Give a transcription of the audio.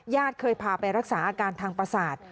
เคยพาไปรักษาอาการทางประสาท